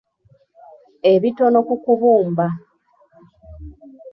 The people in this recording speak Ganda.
Ebitono ku kubumba.